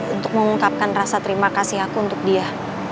untuk mengungkapkan rasa terima kasih aku untuk dia